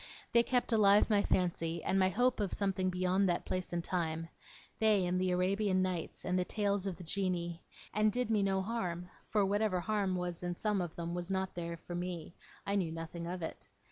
They kept alive my fancy, and my hope of something beyond that place and time, they, and the Arabian Nights, and the Tales of the Genii, and did me no harm; for whatever harm was in some of them was not there for me; I knew nothing of it.